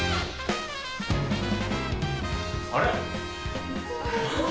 あれ？